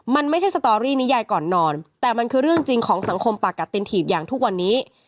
มันไม่ใช่สตอรี่นิยายก่อนนอนแต่มันคือเรื่องจริงของสังคมปากกัดตินถีบอย่างทุกวันนี้